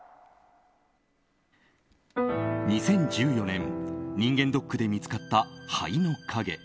２０１４年人間ドックで見つかった肺の影。